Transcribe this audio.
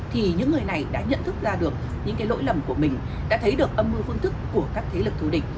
thì những người này đã nhận thức ra được những lỗi lầm của mình đã thấy được âm mưu phương thức của các thế lực thù địch